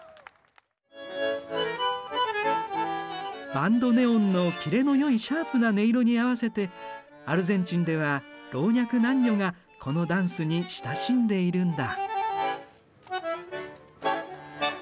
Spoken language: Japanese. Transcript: バンドネオンのキレのよいシャープな音色に合わせてアルゼンチンでは老若男女がこのダンスに親しんでいるんだ。